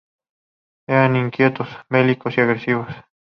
Eran inquietos, belicosos y agresivos.